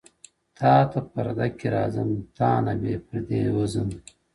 تاته پرده کي راځم تا نه بې پردې وځم!!